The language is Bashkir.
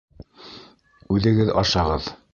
— Үҙегеҙ ашағыҙ!